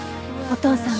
お父さん。